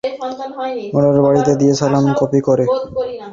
গেন্ডারিয়ার বাড়িতে গিয়ে বয়সী মানুষটিকে পায়ে হাত দিয়ে সালাম করে পপি।